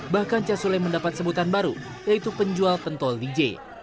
bahkan casule mendapat sebutan baru yaitu penjual pentol dj